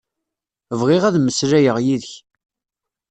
Bɣiɣ ad mmeslayeɣ yid-k.